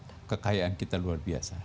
ada dua kekayaan kita luar biasa